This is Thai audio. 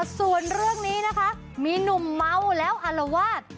ส่วนเรื่องนี้นะคะมีหนุ่มเมาแล้วอารวาส